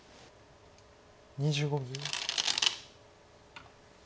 ２５秒。